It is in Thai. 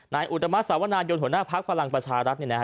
นายอุตมัติศาวนานยนต์หัวหน้าภาคภาคกับพระรามประชารัฐ